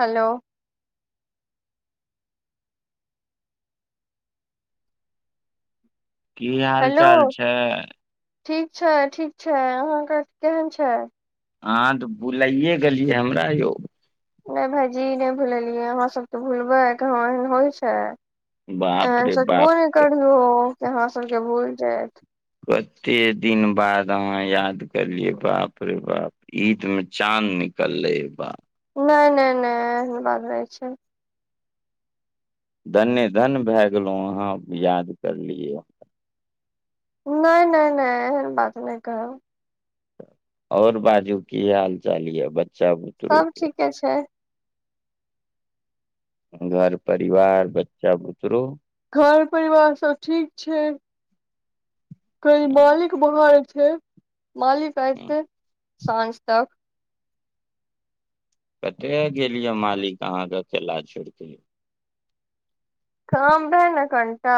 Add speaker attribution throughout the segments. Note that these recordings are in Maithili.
Speaker 1: हेलो।
Speaker 2: कि हाल
Speaker 1: हेलो
Speaker 2: चाल छै।
Speaker 1: ठीक छै ठीक छै अहाँके केहन छै?
Speaker 2: अहाँ तऽ भुलाइए गेलियै हमरा यौ।
Speaker 1: नहि भाईजी नहि भुलेलियै अहाँ सब के भूलबै कहाँ एहन होइ छै।
Speaker 2: बाप
Speaker 1: एहन
Speaker 2: रे
Speaker 1: सोचबो
Speaker 2: बाप
Speaker 1: नहि करियौ कि हमरा सबके भूल जायब।
Speaker 2: कते दिन बाद अहां याद केलियै बाप रे बाप। ईद में चाँद निकललै बा
Speaker 1: नहि नहि नहि एहन बात नहि छै।
Speaker 2: धन्य धन्य भए गेलहु अहाँ याद करलियै।
Speaker 1: नहि नहि नहि एहन बात नहि कहु।
Speaker 2: और बाजू की हाल चाल यऽ बच्चा ब
Speaker 1: सब ठीके छै।
Speaker 2: घर परिवार बच्चा बुतरू
Speaker 1: घर परिवार सब ठीक छै कनि मालिक बाहर छै, मालिक ऐते साँझ तक।
Speaker 2: कते गेल यै मालिक अहाँके अकेला छोड़ केे
Speaker 1: काम रहे ने कनिटा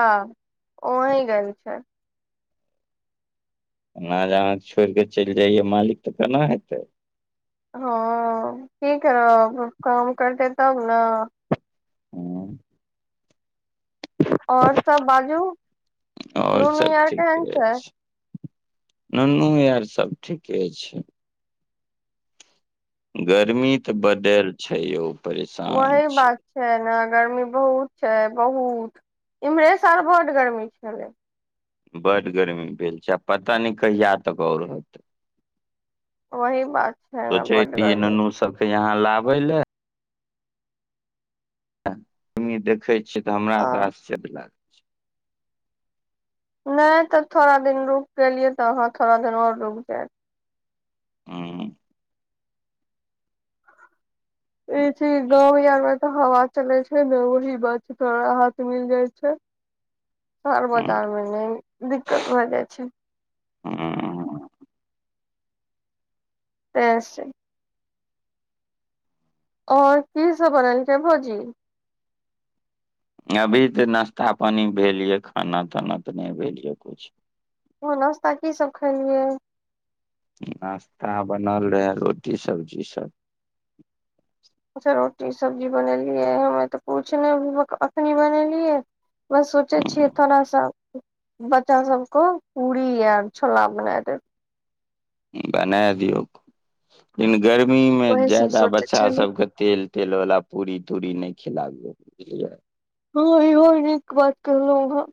Speaker 1: ओही गेल छैथ।
Speaker 2: एना जे अहाँके छोड़ि कऽ चलि जाइयै मालिक तऽ केना हेतै।
Speaker 1: हँ कि करब, काम करतै तब ने।
Speaker 2: [inaudible]
Speaker 1: और सब बाजू, नुनू आर केहन छै।
Speaker 2: नूनू यार सब ठीके छै। गर्मी तऽ बड छै यौ। परेशान
Speaker 1: वहीं
Speaker 2: छी
Speaker 1: बात। छै ने गर्मी बहुत छै बहुत, इमहरे साल बड गर्मी छलै।
Speaker 2: बड गरमी भेल छै आ पता नहि कहिया तक और रहतै।
Speaker 1: वही बात छै ने बड
Speaker 2: सोचेत रहिये
Speaker 1: गर्मी
Speaker 2: नुनू सबके यहाँ लाबे ले गर्मी देखै छियै तऽ हमरा
Speaker 1: आ
Speaker 2: तऽ आश्चर्य लागैये।
Speaker 1: नहि तऽ थोड़ा दिन रुक गेलियै तऽ अहाँ थोड़ा दिन ओर रुक जायत।
Speaker 2: हुं।
Speaker 1: ई चिज गांव आर मे तऽ हवा चले छै ने ओहि बात राहत मिल जाय छै। शहर
Speaker 2: हूं
Speaker 1: बाजार मे नहि दिकत भए जाइ छै।
Speaker 2: हं।
Speaker 1: तें से। और की सब भ रहल छै भौजी।
Speaker 2: अभी तऽ नाश्ता पानी भेल ये, खाना ताना तऽ नहि भेल ये कुछ।
Speaker 1: ओ नाश्ता की सब खेलियै ये।
Speaker 2: नाश्ता बनल रहय, रोटी सब्जी सब।
Speaker 1: अच्छा रोटी सब्जी बनेलियै, हमे तऽ आय पुछ नाय बुरबक अखनी बनेलियै। बस सोचै छीय
Speaker 2: हूँ,
Speaker 1: थोरा सा बच्चा सब कऽ पूरी आ छोला बना देब।
Speaker 2: बने दियौ, लेकिन गर्मी मे
Speaker 1: वही सब
Speaker 2: ज्यादा
Speaker 1: सोचे
Speaker 2: बच्चा
Speaker 1: छली
Speaker 2: सबके। तेल -तेल वाला पूरी -तूरी नहि खिलाबयो बुझलिय।
Speaker 1: हँ, ईहो नीक बात कहलू आहाँ।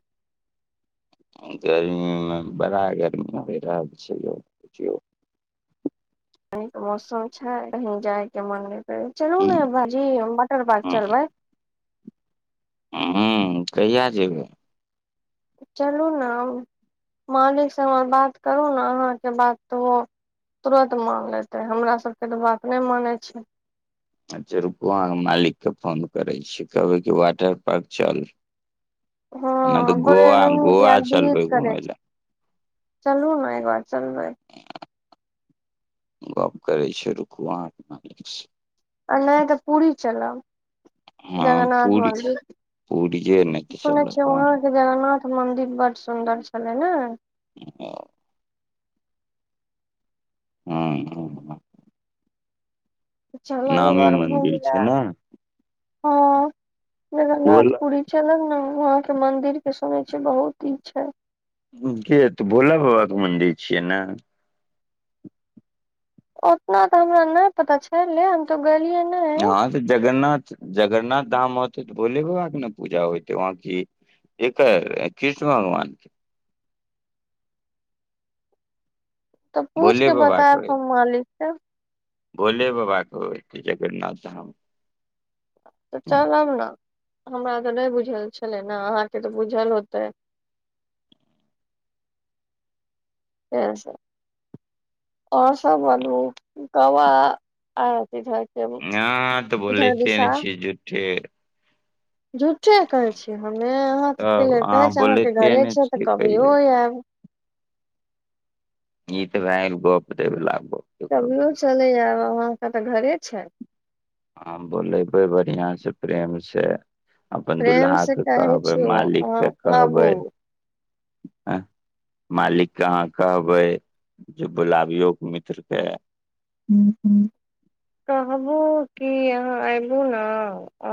Speaker 2: गर्मी मे बड़ा गर्मी परि रहल छय ये।
Speaker 1: [unintelligible] मौसम छै, कहीं जाय के मन नहि कर, चलु ने भाजी हम वाटर पार्क चलबै।
Speaker 2: हं- हं, कहिया जेबै।
Speaker 1: चलू न मालिक सँ हमर बात करू ने, अहाँके बात के ओ तुरत मान लेतै, हमरा सबके तऽ बात नहि मानै छै।
Speaker 2: अच्छा रुकू, अहाँ के मालिक के फोन करै छी, कहबै कि वाटर पार्क चल। नहि त,
Speaker 1: हँ
Speaker 2: ऽ
Speaker 1: बोले
Speaker 2: गोआ
Speaker 1: नुनू के
Speaker 2: गोवा
Speaker 1: आब
Speaker 2: चलबै घुमै ल।
Speaker 1: चलबू ने एक बार चलबै।
Speaker 2: गप करे छै, रुकु अहॉं के मालिक स।
Speaker 1: आ नहि तऽ पूरी चलब।
Speaker 2: हँ
Speaker 1: जगन्नाथ
Speaker 2: पूरी
Speaker 1: मन्दिर,
Speaker 2: पूरिये नहि तऽ
Speaker 1: सुनै छिय
Speaker 2: चलब हँ
Speaker 1: वहाँ के जगन्नाथ। मंदिर बड़ सुंदर छलै ने।
Speaker 2: [unintelligible] हं अ
Speaker 1: चलब एक
Speaker 2: नामी मंदिर छै न।
Speaker 1: हॉं जगन्नाथ
Speaker 2: बोल
Speaker 1: पुरी चलब न वहां के मंदिर के सुनेे छी बहुत ई छै।
Speaker 2: कि हेतय भोला बाबाके मन्दिर छियै न।
Speaker 1: ओतना तऽ हमरा नहि पता छैे ले हम तो गेलियै ने।
Speaker 2: हं तऽ जगरनाथ -जगरनाथ धाम औते तऽ भोले बा के ने पूजा होयते वहाँं की। एक कृष्ण भगवान के
Speaker 1: तऽ पूछ
Speaker 2: भोले
Speaker 1: के
Speaker 2: बाबा
Speaker 1: बतायब
Speaker 2: होय
Speaker 1: हम मालिक से।
Speaker 2: भोले बाबा कह जगन्नाथ धाम।
Speaker 1: तऽ चलब ने हमरा तऽ नहि बुझल छले ने, अहाँके तऽ बुझल होते। से सब और सब बतबु कवा आती छय।
Speaker 2: अहां तऽ बोलेते ने छिय झूठे।
Speaker 1: झूठे कहे छीयै हमे, अहाँ के
Speaker 2: तब
Speaker 1: लेल कहे छी अहाँ के
Speaker 2: बोलैते
Speaker 1: घरे
Speaker 2: ने
Speaker 1: छिय तऽ
Speaker 2: छियै
Speaker 1: कभियो
Speaker 2: कहियो
Speaker 1: ऐब।
Speaker 2: ई तऽ भैन गप देबला गप।
Speaker 1: कभियौ चलै आब अहाँके तऽ घरे छै।
Speaker 2: हॉं बोलेबै बढ़िआं से प्रेम से। अपन
Speaker 1: प्रेम से
Speaker 2: दुल्हाके
Speaker 1: कहै
Speaker 2: कहबै,
Speaker 1: छियौ अहाँ
Speaker 2: मालिकके
Speaker 1: आबू
Speaker 2: कहबै हं। मालिक के अहाँ कहबै, जे बोलाबियौ मित्रके।
Speaker 1: [inaudible] कहबू कि अहाँ एबू ने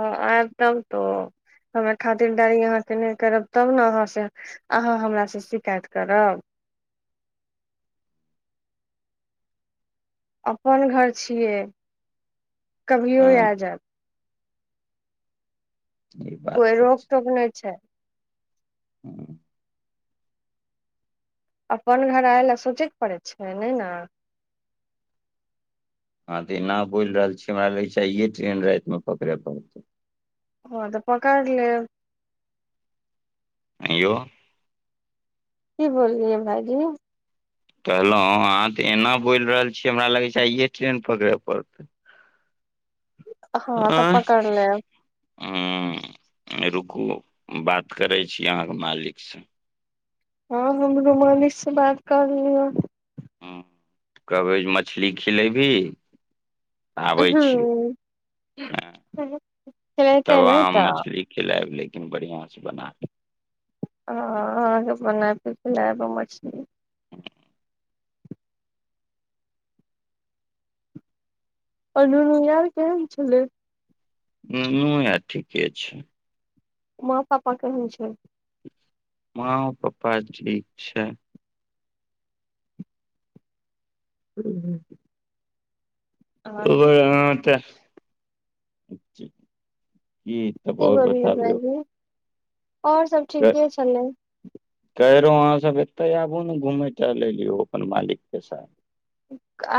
Speaker 1: आयब तब तो। हमे खातिरदारी अहाँके नहि करब, तब ने अहाँ से अहाँ हमरा से शिकायत करब। अपन घर छियै कभियो आ
Speaker 2: हँ
Speaker 1: जाब।
Speaker 2: ई बात
Speaker 1: कोइ
Speaker 2: तऽ
Speaker 1: रोक टोक नै छैय।
Speaker 2: ह।
Speaker 1: अपन घर आय लए सोचैत पड़ै छैय नै न।
Speaker 2: अहाँ त एना बोइल रहल छियै हमरा लगै छैय आइए ट्रेन राइतमे पकड़य पड़तै।
Speaker 1: हॉं त पकड़ लेब।
Speaker 2: आंय यौ।
Speaker 1: की बोललियै भाइजी।
Speaker 2: कहलौं अहाँ त एना बोइल रहल छियै हमरा लगै छैय आइये ट्रेन पकड़य पड़तै।
Speaker 1: हँ तऽ
Speaker 2: आँ।
Speaker 1: पकड़ लेब
Speaker 2: हुं रुकू बात करै छी अहाँके मालिक स।
Speaker 1: हॉं हमरो मालिक स बात क लियऽ।
Speaker 2: हुं कबय मछली खिलेयभी। आबै छियौ
Speaker 1: हूँ
Speaker 2: ह तब
Speaker 1: खेलेतै नहि
Speaker 2: आहॉं
Speaker 1: तऽ
Speaker 2: मछली खिलायब लेकिन बढ़ियां से बनाके।
Speaker 1: हॉं अहाँके बना केऽ खिलैब मछली। अ नुनू यार केहन छलै।
Speaker 2: नुनू यार ठीके छैय।
Speaker 1: माँ पापा केहैन छैय।
Speaker 2: मां पप्पा ठीक छैय। हूं।
Speaker 1: अहाँके
Speaker 2: ओए अहाँ ते इ
Speaker 1: कि बोललियै भाइजी और सब ठीके छलै।
Speaker 2: कहै रहौं अहाँ सब एतै आबू ने घुमै टहलै ले यौ अपन मालिकके साथ।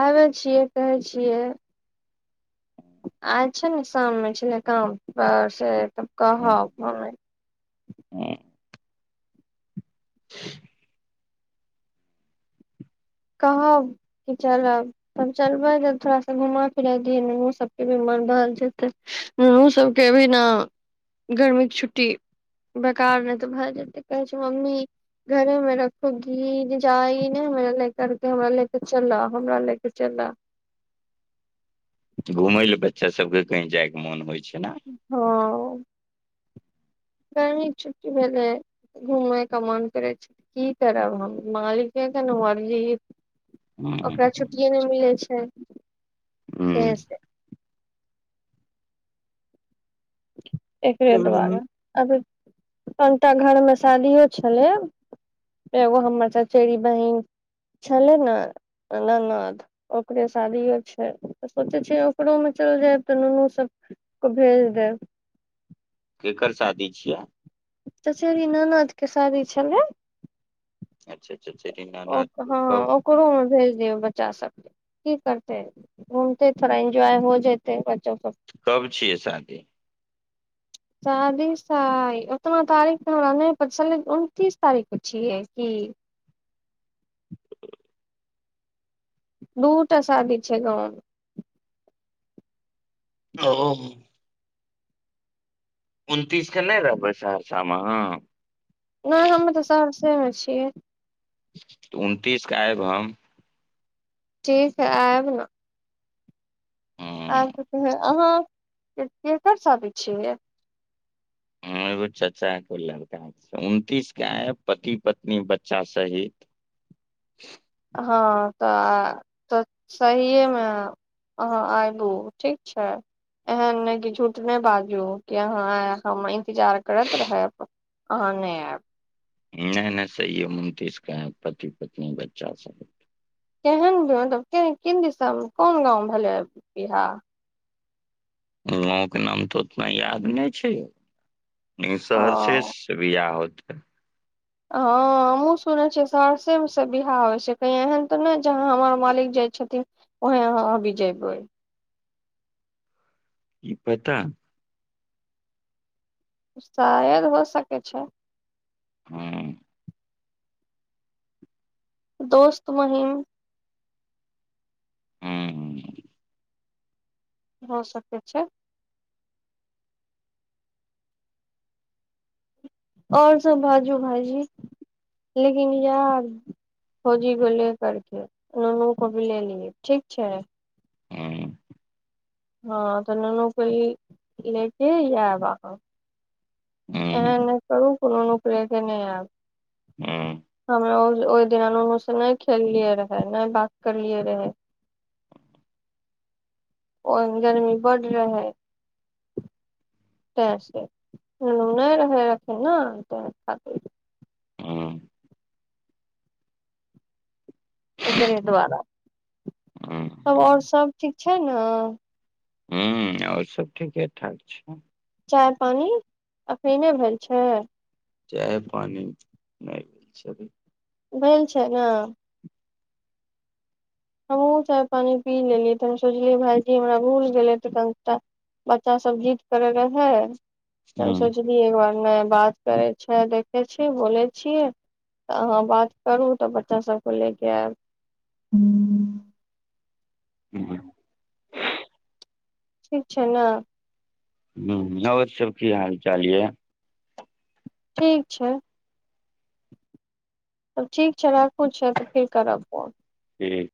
Speaker 1: आबै छियै कहै छियै। आइ छैय ने शाममे छलै काम पर से तब कहब हमें।
Speaker 2: हुं। ह [inaudible]
Speaker 1: कहब कि चलब। तब चलबै जे थोड़ा सा घुमा फिराय दियै नुनुओ सबके भी मन बहल जेतै। नूनू सबके भी ने गर्मीक छुट्टी बेकार नै त भए जेतै कहै छैय मम्मी [unintelligible] कह देतौ हमरा लेके चलऽ हमरा लेके चलऽ।
Speaker 2: घुमै ले बच्चा सबके कहीं जाइके मोन होइ छैय न।
Speaker 1: हँ। गरमीके छुट्टी भेलै। घुमै के मन करै छैय की करब हम मालिके के ने मर्जी। ओकरा छुट्टिए नै मिलै छैय
Speaker 2: ह
Speaker 1: तें से। एकरे दु्वारे
Speaker 2: ह
Speaker 1: अभी कोनटा घरमे शादियो छलै एगो हमर चचेरी बहिन छलै न ननद ओकरे शादियो छैय त सोचै छियै ओकरोमे चल जाएब त नुनू सब क भेज देब।
Speaker 2: केकर शादी छियै।
Speaker 1: चचेरी ननदके शादी छलै। ओक,
Speaker 2: अच्छा अच्छा दीनानाथ
Speaker 1: हँ हँ,
Speaker 2: कब
Speaker 1: ओकरो मे भेज दिऔ बच्चा सबके। की करतै, घूमतै, थोड़ा एन्जॉय हो जेतै बच्चो सब
Speaker 2: कब छियै शादी?
Speaker 1: शादी शाय, उतना तारीख त हमरा नै प छल। उनतीस तारीख क छियै की? दूटा शादी छै गाँव में।
Speaker 2: ओ। उनतीस के नै रहबै सहरसा मे अहाँ?
Speaker 1: नै हमे त सहरसे मे छियै।
Speaker 2: त उनतीस क आएब हम।
Speaker 1: ठीक है आयब न।
Speaker 2: हम
Speaker 1: आइब क। [unintelligible] अहाँ के- केकर शादी छियै?
Speaker 2: हं एगो चच्चा कोय लड़का है। उनतीस क आयब पति पत्नी बच्चा सहित।
Speaker 1: हँ त आ। त सहिएमे आउ। अहाँ आयबू। ठीक छै। एहन नै कि झूठ नै बाजू, कि अहाँ आय, आ हम इंतजार करैत रहेब। अहाँ नै आएब।
Speaker 2: नै नै सहिए मे उनतीस के आएब पति पत्नी बच्चा सहित।
Speaker 1: केहन गांव, मतलब किन- किन दिसा मे, कोन गाँव मे भेलै बिहा?
Speaker 2: गांव के नाम त उतना याद नै छै। लेकिन
Speaker 1: ओ
Speaker 2: सहरसेस बिहा होत।
Speaker 1: हँं, हमहूँ सुनै छियै सहरसे मे सब बिहा होइ छै। कहीं एहन त नै जहाँ हमर मालिक जाइ छथिन ओहे यहाँ आबी जेबै।
Speaker 2: ई पता।
Speaker 1: शायद हो सकै छै।
Speaker 2: ह्म्म।
Speaker 1: दोस्त महिम।
Speaker 2: ह्म्म।
Speaker 1: हो सकेत छे। ओर सब बाजू भाई जी, लेकिन यार भौजी को ले करके, नोनूं को भी लेय लिए। ठीक छै।
Speaker 2: ह्म्म।
Speaker 1: हाँ त नुनु को ल - लेके इंहां आयबा।
Speaker 2: हँ
Speaker 1: ऐहन
Speaker 2: हँ
Speaker 1: नै करू, के नुनु को ले के नेय आयेब।
Speaker 2: ह्म्म।
Speaker 1: हमरा ओह से, ओह दिना नुनु से ने खेललिये रहे, नै बात करलिये रहे। ओ दिन गर्मी बड रहै। तय से। नुनु नै रहै राती न। त खा
Speaker 2: हँ
Speaker 1: एकरे द्वारा। तब ओर
Speaker 2: हँ
Speaker 1: सब ठीक छै न।
Speaker 2: ह्म्म, और सब ठीके ठाक छे।
Speaker 1: चाय पानी अखीने भेल छै?
Speaker 2: चाय पानी नई भेल छे अभी।
Speaker 1: बइन छे न? हम हूँ चाय पानी पी लेलिये, त हम सोच लिये भायजी हमरा भूल गेले त कह त बच्चा सब जीद करे रहे त
Speaker 2: हँ
Speaker 1: सोचय की एक बारमे बात करय छैय देखे छी बोलय छियै। त अहाँ बात करू त बच्चा सब के लेके आयब। हूँ
Speaker 2: [inaudible]
Speaker 1: ठीक छैय न।
Speaker 2: हा और सब की हाल चाल यऽ।
Speaker 1: ठीक छैय। तब ठीक छैय राखू छैय त फेर करब फोन।
Speaker 2: ठीक।